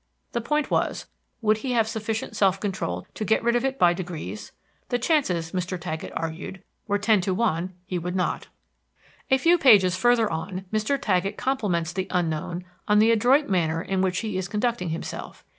The point was, Would he have sufficient self control to get rid of it by degrees? The chances, Mr. Taggett argued, were ten to one he would not. A few pages further on Mr. Taggett compliments the Unknown on the adroit manner in which he is conducting himself.